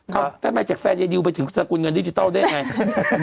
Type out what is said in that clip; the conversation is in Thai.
ทำไมจากแฟนยายดิวไปถึงสกุลเงินดิจิทัลได้ยังไง